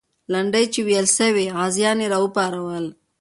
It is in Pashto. لنډۍ چې ویلې سوې، غازیان یې راوپارول.